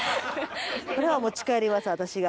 これは持ち帰ります私が。